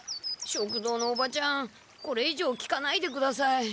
食堂のおばちゃんこれいじょう聞かないでください。